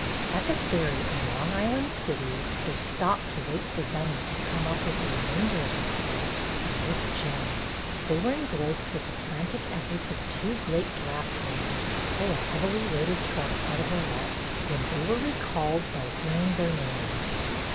At the ferry in Long Island City they stopped to wait for Dunny to come up with the remainder of the Club and Miss Jane. They were engrossed with the frantic efforts of two great draught horses to pull a heavily loaded truck out of a rut, when they were re called by hearing their names.